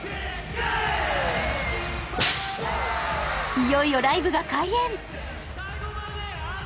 いよいよライブが開演。